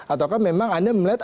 atau kan memang anda melihat